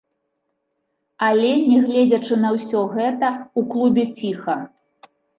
Але, нягледзячы на ўсё гэта, у клубе ціха.